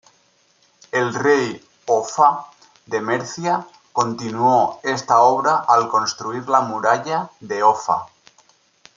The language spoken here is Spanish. El rey Offa de Mercia continuó esta obra al construir la Muralla de Offa.